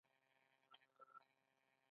خو هغه له خپل ځايه هېڅ و نه خوځېده.